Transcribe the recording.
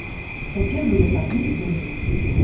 Цяпер бы я так не здолела.